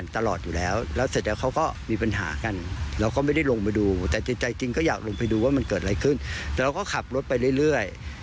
แต่เราก็ขับรถไปเรื่อย